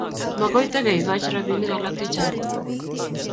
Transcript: Makoi takekoch robinik alak chechang